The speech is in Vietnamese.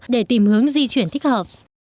để tìm hướng di chuyển thích hợp